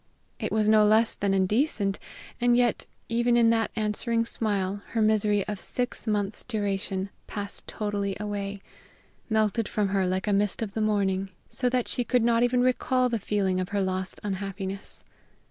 It was no less than indecent, and yet, even in that answering smile, her misery of six months' duration passed totally away, melted from her like a mist of the morning, so that she could not even recall the feeling of her lost unhappiness.